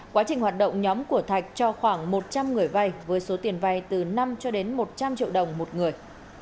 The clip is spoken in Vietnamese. quá trình hoạt động nhóm của thạch cho khoảng một trăm linh người vay với số tiền vay từ năm cho đến một trăm linh triệu đồng một người